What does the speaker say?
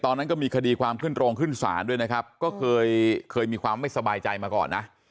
ตอนนั้นก็มีคดีความขึ้นโรงขึ้นศาลด้วยนะครับก็เคยเคยมีความไม่สบายใจมาก่อนนะ